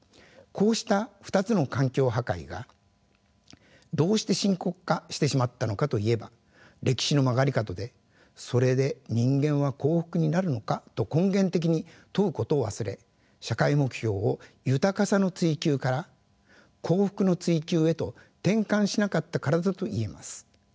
こうした２つの環境破壊がどうして深刻化してしまったのかと言えば歴史の曲がり角でそれで人間は幸福になるのかと根源的に問うことを忘れ社会目標を豊かさの追求から幸福の追求へと転換しなかったからだと言えます。